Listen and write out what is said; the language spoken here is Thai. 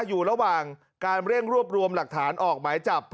อยู่ระหว่างการเร่งรวบรวมหลักฐานออกหมายจับ